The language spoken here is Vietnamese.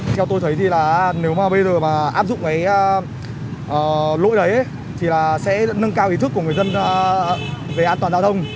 theo tôi thấy thì là nếu mà bây giờ mà áp dụng cái lỗi đấy thì là sẽ nâng cao ý thức của người dân về an toàn giao thông